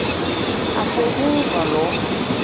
Afobuvalu.